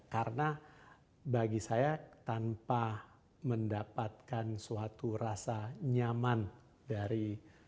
karena bagi saya tanpa mendapatkan suatu rasa nyaman dari